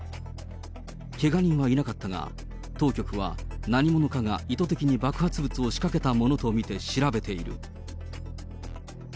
けが人はいなかったが、当局は何者かが意図的に爆発物を仕掛けたものと見て調べている。